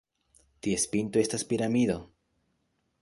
Ties pinto estas piramido.